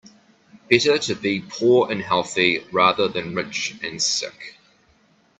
Better to be poor and healthy rather than rich and sick.